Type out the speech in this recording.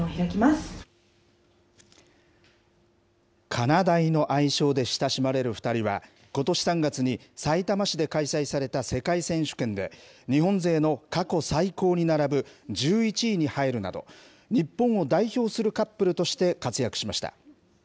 かなだいの愛称で親しまれる２人は、ことし３月にさいたま市で開催された世界選手権で、日本勢の過去最高に並ぶ１１位に入るなど、日本を代表するカップルとして活躍しました。